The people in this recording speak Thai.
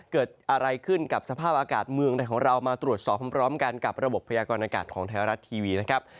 เกิดอะไรขึ้นกับสภาพอากาศเมืองในของเรามาตรวจสอบพร้อมกันกับระบบพยากรณากาศของไทยรัฐทีวีนะครับ